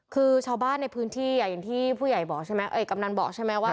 คือชาวบ้านในพื้นที่อย่างที่ผู้ใหญ่บอกใช่ไหมกำนันบอกใช่ไหมว่า